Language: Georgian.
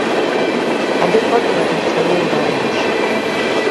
ადეკვატურად იქცევიან გარემოში.